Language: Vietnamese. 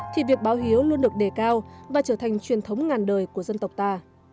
thì việc báo hiếu luôn được đề cao và trở thành truyền thống ngàn đời của dân tộc ta